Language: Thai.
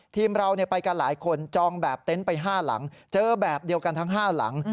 ทีมเราไปกันหลายคนจองแบบเต็นต์ไป๕หลังเจอแบบเดียวกันทั้ง๕หลัง